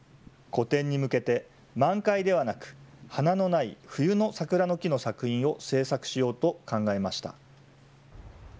個展に向けて、満開ではなく、花のない冬の桜の木の作品を制作しようと考えました。